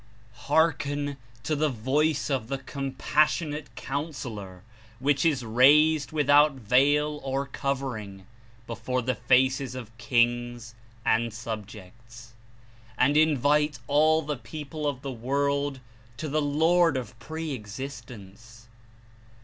"Hearken to the Voice of the Compassionate Coun sellor, which is raised without veil or covering before the faces of kings and subjects, and Invite all the people of the world to the Lord of Pre existence.